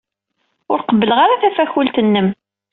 Ur qebbleɣ ara tafakult-nnem.